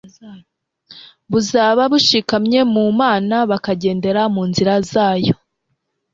buzaba bushikamye mu Mana bakagendera mu nzira zayo.